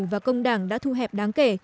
và công đảng đã thu hẹp đáng kể